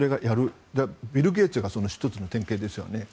ビル・ゲイツがその１つの典型ですよね。